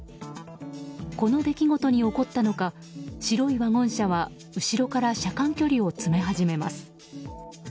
この出来事に怒ったのか白いワゴン車は後ろから車間距離を詰め始めます。